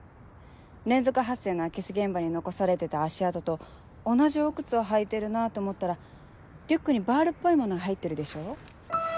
連続発生の空き巣現場に残されてた足跡と同じお靴を履いているなぁと思ったらリュックにバールっぽいものが入ってるでしょ？